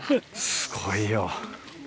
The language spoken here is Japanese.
すごいよ。